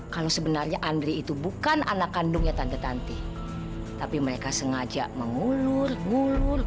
kalau sebenarnya andre itu bukan anak kandungnya tante tante tapi mereka sengaja mengulur ulur